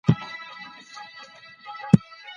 د کوچیانو فقر او نالوستي ته باید پاملرنه وشي.